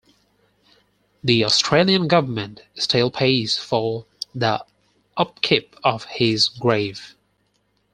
The Australian Government still pays for the upkeep of his grave.